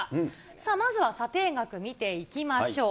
まずは査定額見ていきましょう。